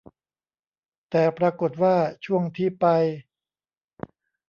แต่ปรากฎว่าช่วงที่ไป